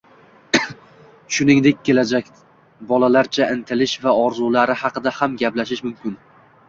Shuningdek kelajak, bolalarcha intilishi va orzulari haqida ham gaplashish mumkin: